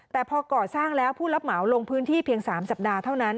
แต่พอก่อสร้างแล้วผู้รับเหมาลงพื้นที่เพียง๓สัปดาห์เท่านั้น